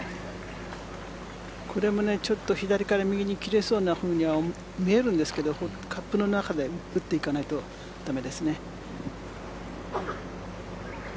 これもちょっと左から右に切れそうなふうに見えるんですけどカップの中で打っていかないと駄目ですね。